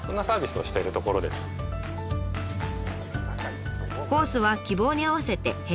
コースは希望に合わせて変更可能。